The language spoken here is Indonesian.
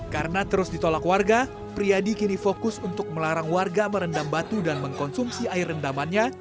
karena terus ditolak warga priadi kini fokus untuk melarang warga merendam batu dan mengkonsumsi air rendamannya